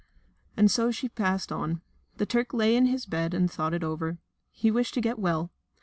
And so she passed on. The Turk lay in his bed and thought it over. He wished to get well.